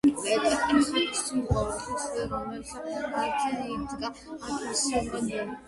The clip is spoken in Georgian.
ტაძარი იყო ხის, რომელიც იდგა ქვის ფუნდამენტზე.